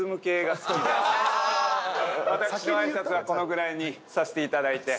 私のあいさつはこのぐらいにさせていただいて。